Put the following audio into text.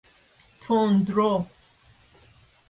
تندرو